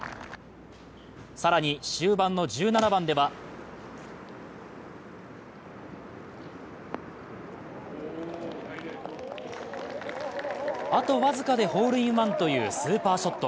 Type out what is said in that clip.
更に、終盤の１７番ではあと僅かでホールインワンというスーパーショット。